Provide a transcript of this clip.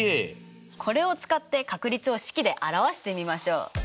これを使って確率を式で表してみましょう！